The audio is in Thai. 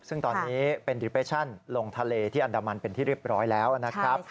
ซึ่งตอนนี้เป็นดิเปชั่นลงทะเลที่อันดามันเป็นที่เรียบร้อยแล้วนะครับ